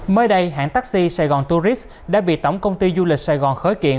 mới đây hãng taxi sài gòn tourist đã bị tổng công ty du lịch sài gòn khởi kiện